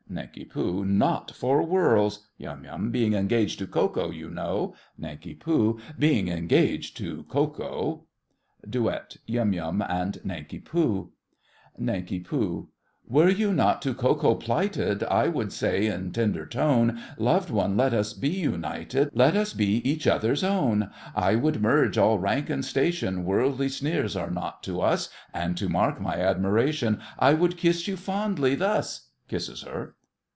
NANK. Not for worlds! YUM. Being engaged to Ko Ko, you know! NANK. Being engaged to Ko Ko! DUET—YUM YUM and NANKI POO. NANK. Were you not to Ko Ko plighted, I would say in tender tone, "Loved one, let us be united— Let us be each other's own!" I would merge all rank and station, Worldly sneers are nought to us, And, to mark my admiration, I would kiss you fondly thus— (Kisses her.)